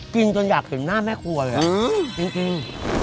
กินจนอยากกินหน้าแม่ครัวเลยอ่ะจริงจริง